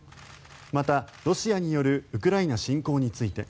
また、ロシアによるウクライナ侵攻について